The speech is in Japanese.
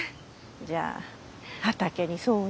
じゃあ畑に相談。